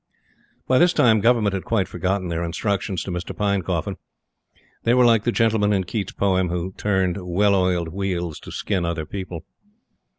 By this time, Government had quite forgotten their instructions to Mr. Pinecoffin. They were like the gentlemen, in Keats' poem, who turned well oiled wheels to skin other people.